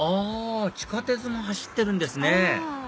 地下鉄も走ってるんですね